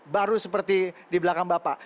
baru seperti di belakang bapak